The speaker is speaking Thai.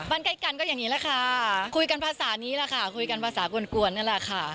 ใกล้กันก็อย่างนี้แหละค่ะคุยกันภาษานี้แหละค่ะคุยกันภาษากวนนั่นแหละค่ะ